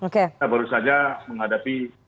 kita baru saja menghadapi